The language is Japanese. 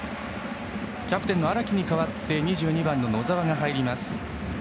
キャプテンの荒木に代わって２２番の野澤が入ります。